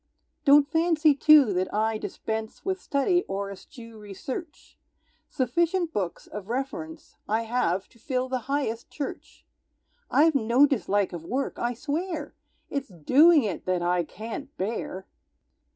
Don't fancy too that I dispense With study, or eschew research; Sufficient books of reference I have, to fill the highest church. I've no dislike of work, I swear, It's doing it that I can't bear!